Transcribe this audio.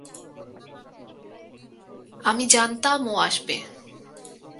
আমি জানতাম ও আসবে।